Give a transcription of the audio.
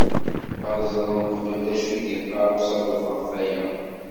Ad ẓren qbel d acu i d-yeqqar usaḍuf ɣef waya.